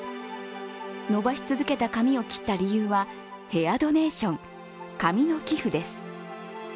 伸ばし続けた髪を切った理由はヘアドネーション＝髪の寄付です。